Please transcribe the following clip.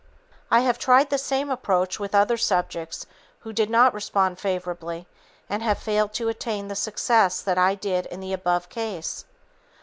I have tried the same approach with other subjects who did not respond favorably and have failed to attain the success that I did in the above case.